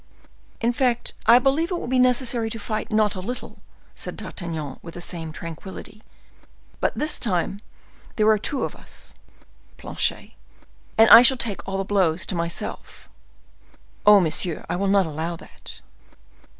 "In fact, I believe it will be necessary to fight not a little," said D'Artagnan, with the same tranquillity; "but this time there are two of us, Planchet, and I shall take all the blows to myself." "Oh! monsieur, I will not allow that."